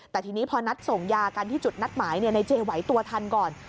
แต่ทีนี้พอนัดส่งยากันที่จุดนัดหมายในเจไหวตัวทันก่อน